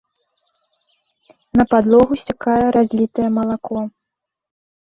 На падлогу сцякае разлітае малако.